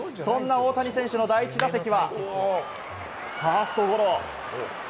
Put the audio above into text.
そんな大谷選手の第１打席はファーストゴロ。